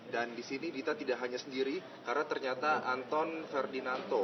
dan di sini dita tidak hanya sendiri karena ternyata anton ferdinando